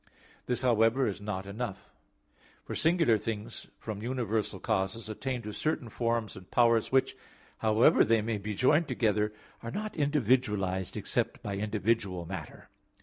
This, however, is not enough; for singular things from universal causes attain to certain forms and powers which, however they may be joined together, are not individualized except by individual matter.